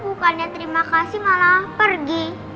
bukannya terima kasih malah pergi